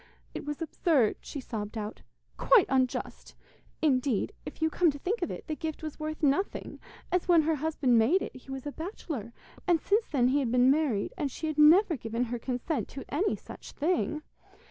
'It was absurd,' she sobbed out, 'quite unjust. Indeed, if you came to think of it, the gift was worth nothing, as when her husband made it he was a bachelor, and since then he had been married, and she had never given her consent to any such thing.